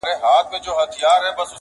د پیربابا پر قبر -